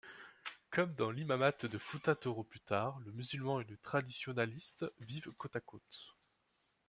Comme dans l'imamat de Fouta-Toro plus tard, le musulman et le traditionaliste vivent côte-à-côte.